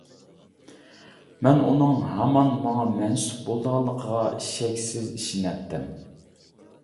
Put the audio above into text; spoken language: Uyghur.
مەن ئۇنىڭ ھامان ماڭا مەنسۇپ بولىدىغانلىقىغا شەكسىز ئىشىنەتتىم.